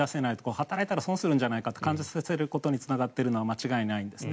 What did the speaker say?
働いたら損するんじゃないかと感じさせることにつながっているのは間違いないんですね。